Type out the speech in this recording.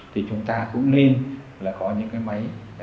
thì chúng ta cũng nên là có những cái máy